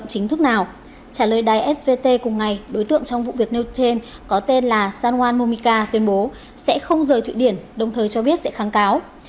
trả lời đài svt cùng ngày đối tượng trong vụ việc nêu trên có tên là sanwan momika tuyên bố sẽ không rời thụy điển đồng thời cho biết sẽ kháng cáo